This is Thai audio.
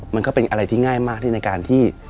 มันก็เป็นอะไรที่ง่ายมากที่ในการที่